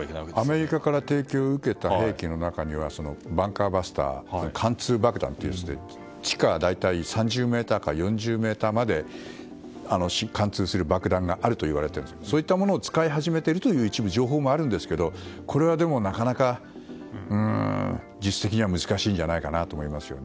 アメリカから提供を受けた兵器の中には貫通爆弾というやつで地下大体３０ｍから４０ｍまで貫通する爆弾があるといわれますがそういったものを使い始めているという情報もあるんですけどこれはなかなか実質的には難しいんじゃないかなと思います。